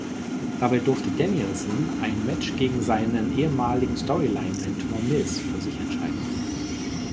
Dabei durfte Danielson ein Match gegen seinen ehemaligen Storyline-Mentor Miz für sich entscheiden.